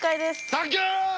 サンキュー！